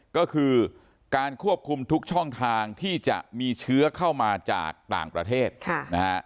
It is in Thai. ก็คือการควบคุมทุกช่องทางที่จะมีเชื้อเข้ามาจากต่างประเทศนะฮะ